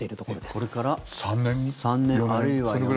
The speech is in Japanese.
これから３年あるいは４年。